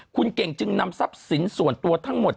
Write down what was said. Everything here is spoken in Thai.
คุณเก่งจึงนำทรัพย์สินส่วนตัวทั้งหมด